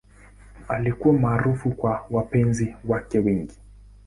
Alikuwa maarufu kwa wapenzi wake wengi.